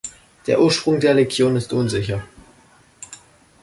Der Ursprung der Legion ist unsicher.